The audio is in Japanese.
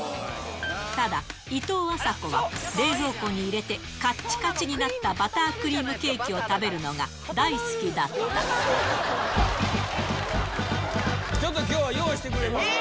ただ、いとうあさこは冷蔵庫に入れて、かっちかちになったバタークリームケーキを食べるのが大好きだっちょっときょうは用意してくえー！